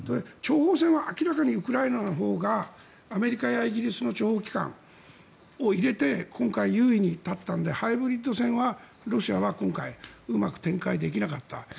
諜報戦は明らかにウクライナのほうがアメリカやイギリスの諜報機関を入れて今回、優位に立ったのでハイブリッド戦はロシアは今回、うまく展開できなかった。